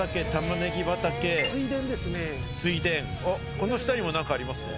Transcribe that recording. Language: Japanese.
この下にも何かありますね。